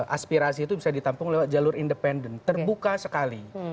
aspirasi itu bisa ditampung lewat jalur independen terbuka sekali